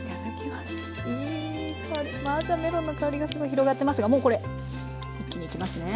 まずはメロンの香りがすごい広がってますがもうこれ一気にいきますね。